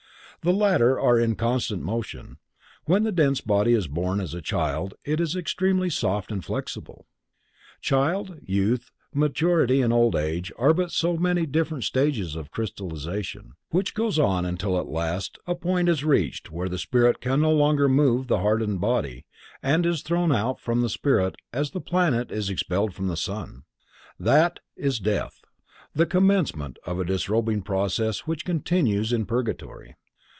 The latter are in constant motion. When the dense body is born as a child it is extremely soft and flexible. Childhood, youth, maturity and old age are but so many different stages of crystallization, which goes on until at last a point is reached where the spirit can no longer move the hardened body and it is thrown out from the spirit as the planet is expelled from the sun. That is death!—the commencement of a disrobing process which continues in purgatory.